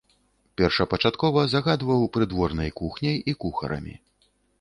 Першапачаткова загадваў прыдворнай кухняй і кухарамі.